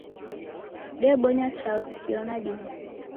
Debonya chaghu kio na dime